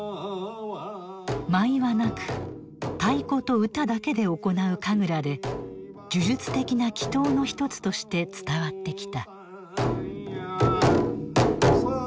舞はなく太鼓と歌だけで行う神楽で呪術的な祈とうの一つとして伝わってきた。